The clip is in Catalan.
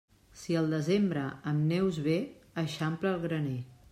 Si el desembre amb neus ve, eixampla el graner.